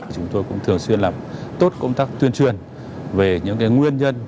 chúng tôi cũng thường xuyên làm tốt công tác tuyên truyền về những nguyên nhân